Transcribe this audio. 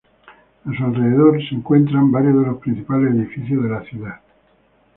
A su alrededor, se encuentran varios de los principales edificios de la ciudad.